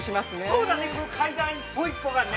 ◆そうだね、階段１歩１歩がね。